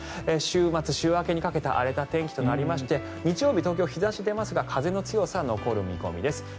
週末、週明けにかけて荒れた天気となりますが日曜日、東京は日差しが出ますが風の強さは残る見込みです。